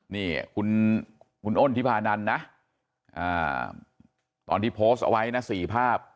นี่คุณอ้นทิพานันนะตอนที่โพสต์เอาไว้นะ๔ภาพ